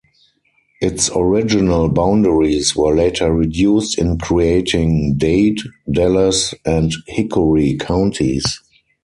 Its original boundaries were later reduced in creating Dade, Dallas, and Hickory counties.